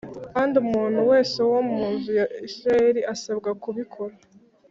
Kandi umuntu wese wo mu nzu ya Isirayeli asabwa kubikora